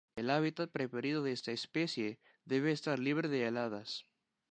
El hábitat preferido de esta especie debe estar libre de heladas.